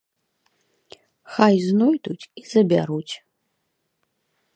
Хай знойдуць і забяруць.